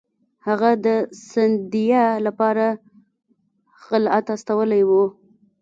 هغه د سیندیا لپاره خلعت استولی وو.